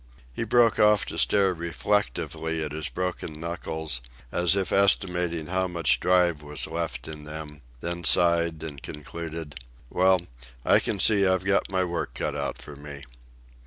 He broke off to stare reflectively at his broken knuckles, as if estimating how much drive was left in them, then sighed and concluded, "Well, I can see I've got my work cut out for me."